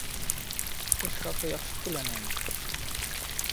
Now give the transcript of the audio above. Эш хаҡы яҡшы түләнәме?